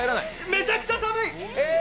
めちゃくちゃ寒い！